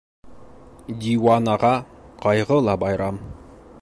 Диуанаға ҡайғы ла байрам.